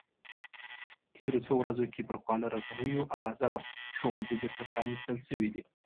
تېرو څو ورځو کې پر خواله رسنیو اوازه وه ښوونځي بېرته پرانیستل شوي دي